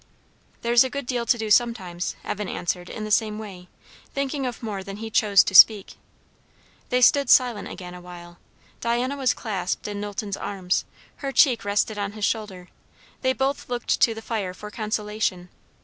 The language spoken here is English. "There's a good deal to do sometimes," Evan answered in the same way, thinking of more than he chose to speak. They stood silent again awhile. Diana was clasped in Knowlton's arms; her cheek rested on his shoulder; they both looked to the fire for consolation.